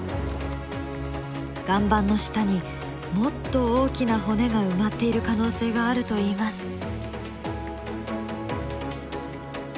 岩盤の下にもっと大きな骨が埋まっている可能性があるといいます。